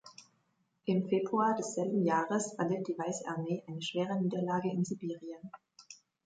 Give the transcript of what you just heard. Im Februar desselben Jahres erlitt die Weiße Armee eine schwere Niederlage in Sibirien.